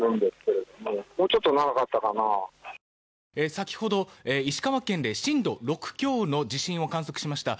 先ほど、石川県で震度６強の地震を観測しました。